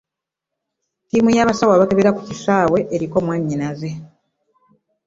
Ttiimu y'abasawo abakebera ku kisaawe eriko mwannyinaze.